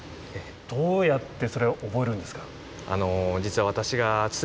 どうやってそれを覚えるんですか？